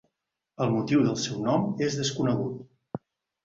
El motiu del seu nom és desconegut.